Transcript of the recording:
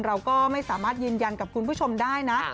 เราก็ไม่สามารถยืนยันกับคุณผู้ชมได้นะ